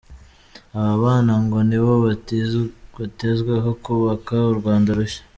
Aba bana ngo nibo bitezweho kubaka u Rwanda rushya.